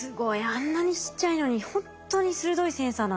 あんなにちっちゃいのにほんとに鋭いセンサーなんですね。